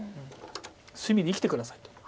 「隅で生きて下さい」と。